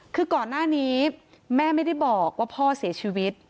คือก่อนหน้านี้แม่ไม่ได้บอกว่าพ่อเสียชีวิต